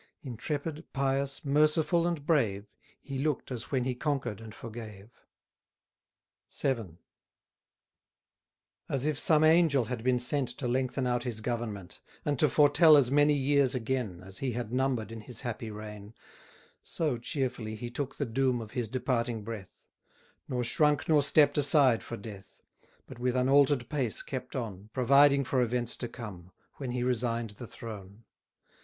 Intrepid, pious, merciful, and brave, He look'd as when he conquer'd and forgave. VII. As if some angel had been sent To lengthen out his government, And to foretell as many years again, As he had number'd in his happy reign, So cheerfully he took the doom Of his departing breath; Nor shrunk nor stepp'd aside for death; But with unalter'd pace kept on, Providing for events to come, When he resign'd the throne.